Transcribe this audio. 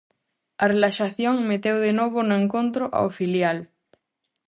A relaxación meteu de novo no encontro ao filial.